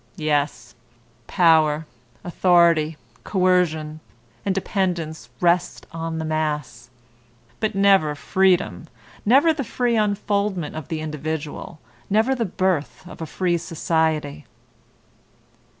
Yes, power, authority, coercion, and dependence rest on the mass, but never freedom, never the free unfoldment of the individual, never the birth of a free society.